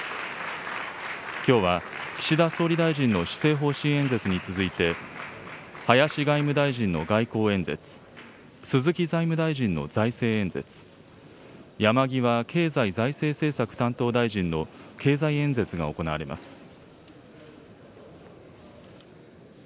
きょうは岸田総理大臣の施政方針演説に続いて、林外務大臣の外交演説、鈴木財務大臣の財政演説、山際経済財政政策担当大臣の経済演説が行われます。